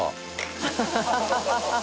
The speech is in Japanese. ハハハハ！